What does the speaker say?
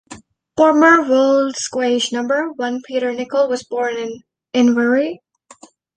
Former World Squash Number One Peter Nicol was born in Inverurie.